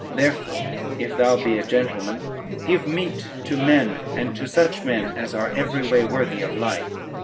Therefore, if thou be a gentleman, give meat to men, and to such men as are every way worthy of life.